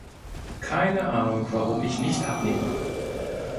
Keine Ahnung warum ich nicht abnehme.